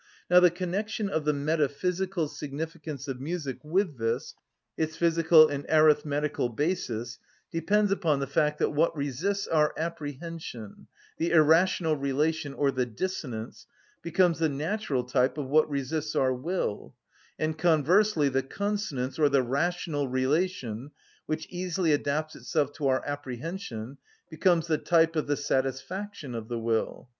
Now the connection of the metaphysical significance of music with this its physical and arithmetical basis depends upon the fact that what resists our apprehension, the irrational relation, or the dissonance, becomes the natural type of what resists our will; and, conversely, the consonance, or the rational relation, which easily adapts itself to our apprehension, becomes the type of the satisfaction of the will.